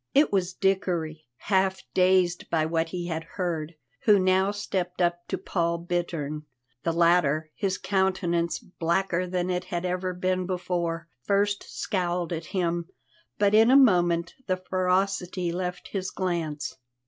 It was Dickory, half dazed by what he had heard, who now stepped up to Paul Bittern. The latter, his countenance blacker than it had ever been before, first scowled at him, but in a moment the ferocity left his glance.